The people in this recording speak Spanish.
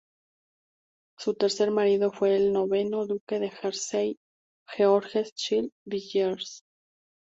Su tercer marido fue el noveno Duque de Jersey, Georges Child-Villiers.